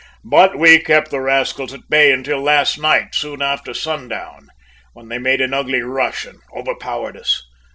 "But we kept the rascals at bay until last night, soon after sundown, when they made an ugly rush and overpowered us.